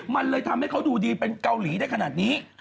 มันเลยทำให้เขาดูดีเป็นเกาหลีได้ขนาดนี้